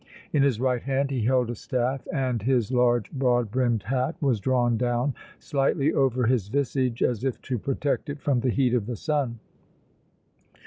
In his right hand he held a staff and his large, broad brimmed hat was drawn down slightly over his visage as if to protect it from the heat of the sun.